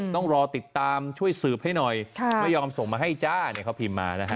ต้องรอติดตามช่วยสืบให้หน่อยไม่ยอมส่งมาให้จ้าเนี่ยเขาพิมพ์มานะฮะ